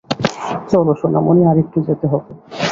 চল, সোনামণি, আরেকটু যেতে হবে।